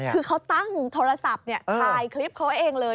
คือเขาตั้งโทรศัพท์ถ่ายคลิปเขาเองเลย